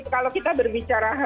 kalau kita berbicara